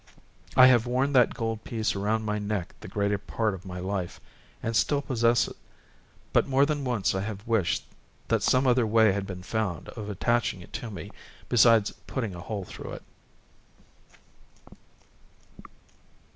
I have worn that gold piece around my neck the greater part of my life, and still possess it, but more than once I have wished that some other way had been found of attaching it to me besides putting a hole through it.